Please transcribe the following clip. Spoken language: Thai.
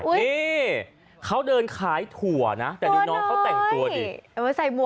นี่เขาเดินขายถั่วนะแต่ดูน้องเขาแต่งตัวดิใส่หมวก